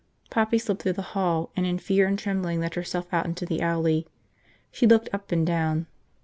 Poppy slipped through the hall and in fear and trembling let herself out into the alley. She looked up and down.